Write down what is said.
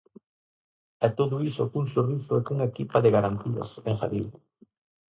"E todo iso cun sorriso e cunha equipa de garantías", engadiu.